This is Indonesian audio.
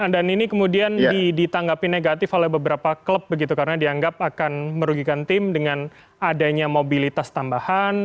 dan ini kemudian ditanggapi negatif oleh beberapa klub begitu karena dianggap akan merugikan tim dengan adanya mobilitas tambahan